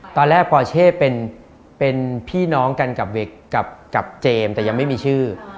ปอเช่เป็นพี่น้องกันกับเจมส์แต่ยังไม่มีชื่อ